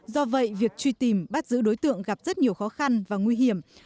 do vậy việc truy tìm bắt giữ đối tượng gặp rất nhiều khó khăn và nguy hiểm